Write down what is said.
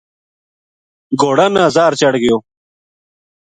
گھوڑاں نا زاہر چڑھ گیو